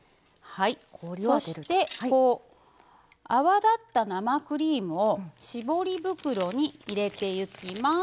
そして、泡立った生クリームを絞り袋に入れていきます。